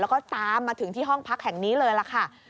แล้วก็ตามมาถึงที่ห้องพักแห่งนี้เลยล่ะค่ะ